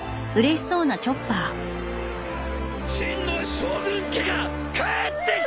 真の将軍家が帰ってきた！